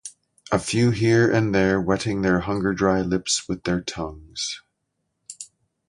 "a few here and there wetting their hunger-dry lips with their tongues"